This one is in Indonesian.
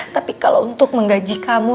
tapi kalau untuk menggaji kamu